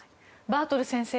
バートル先生